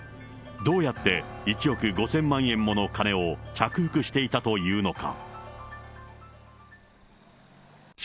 どうやって１億５０００万円もの金を着服していたというのか。